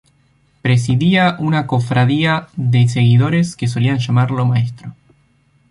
Presidía una cofradía de seguidores que solían llamarlo "maestro".